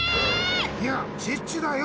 いやチッチだよ！